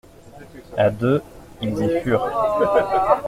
A deux, ils y furent.